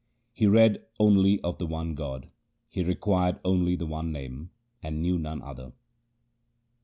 He read only of the one God ; he required only the one Name, and knew none other.